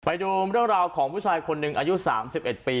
ไปดูเรื่องราวของผู้ชายคนหนึ่งอายุ๓๑ปี